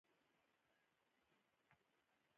خور د ورور د کامیابۍ دعا کوي.